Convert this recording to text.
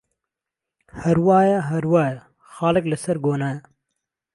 ههر وایه ههر وایه خاڵێک له سهر گۆنایه